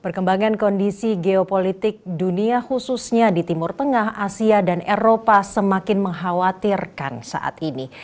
perkembangan kondisi geopolitik dunia khususnya di timur tengah asia dan eropa semakin mengkhawatirkan saat ini